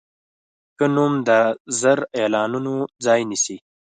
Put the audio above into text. ښه نوم د زر اعلانونو ځای نیسي.